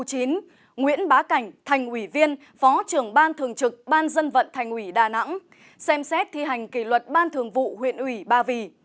trung tướng nguyễn bá cảnh thành uỷ viên phó trưởng ban thường trực ban dân vận thành uỷ đà nẵng xem xét thi hành kỷ luật ban thường vụ huyện uỷ ba vì